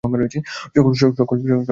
সকল বিজয়ের সেরা বিজয়।